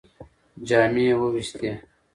جامې یې ووېستې.